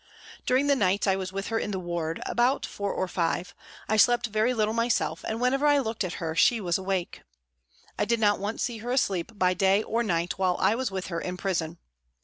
During the nights I was with her in the ward, about four or five, I slept very little myself and whenever I looked at her she was awake. I did not once see her asleep by day or night while I was with her in prison.